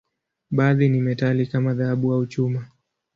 Baadhi ni metali, kama dhahabu au chuma.